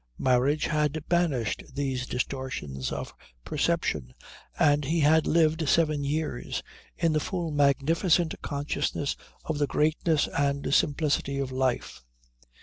Marriage had banished these distortions of perception, and he had lived seven years in the full magnificent consciousness of the greatness and simplicity of life.